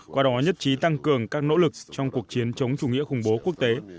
qua đó nhất trí tăng cường các nỗ lực trong cuộc chiến chống chủ nghĩa khủng bố quốc tế